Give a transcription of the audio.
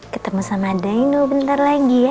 ketemu sama daeno bentar lagi ya